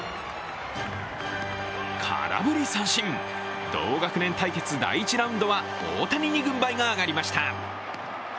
空振り三振、同学年対決第１ラウンドは大谷に軍配が上がりました。